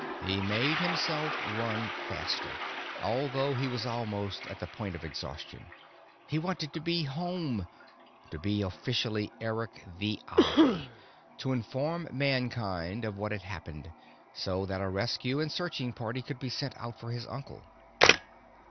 He made himself run faster, although he was almost at the point of exhaustion. He wanted to be home, to be officially Eric the Eye, to inform Mankind of what had happened so that a rescue and searching party could be sent out for his uncle.